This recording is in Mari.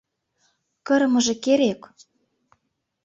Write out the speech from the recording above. Кырымыже керек!